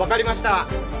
分かりました。